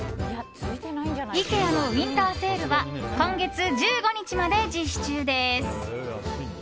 イケアのウィンターセールは今月１５日まで実施中です。